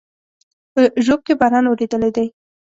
په ژوب کې باران اورېدلى دی